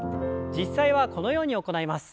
実際はこのように行います。